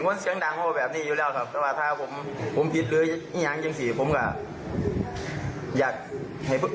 เขาบอกว่าผมก็ได้ว่าสินะครับ